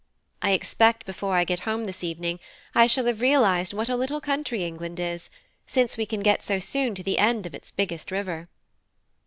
I expect before I get home this evening I shall have realised what a little country England is, since we can so soon get to the end of its biggest river."